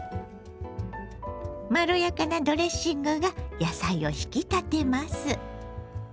まろやかなドレッシングが野菜を引き立てます。